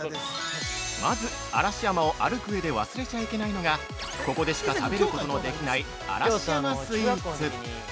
まず、嵐山を歩く上で忘れちゃいけないのがここでしか食べることのできない嵐山スイーツ。